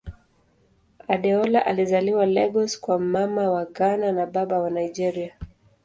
Adeola alizaliwa Lagos kwa Mama wa Ghana na Baba wa Nigeria.